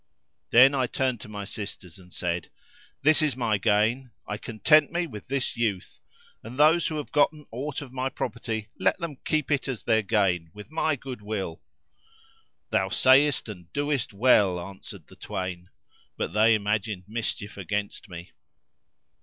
Then I turned to my sisters and said, "This is my gain; I content me with this youth and those who have gotten aught of my property let them keep it as their gain with my good will." "Thou sayest and doest well," answered the twain, but they imagined mischief against me.